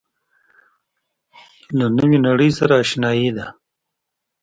له نوې نړۍ سره آشنايي ده.